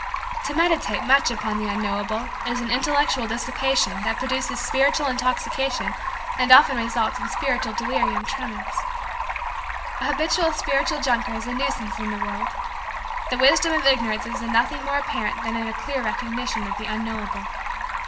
To meditate much upon the unknowable is an intellectual dissipation that produces spiritual intoxication and often results in spiritual delirium tremens. A habitual spiritual drunkard is a nuisance in the world. The wisdom of Ignorance is in nothing more apparent than in a clear recognition of the unknowable.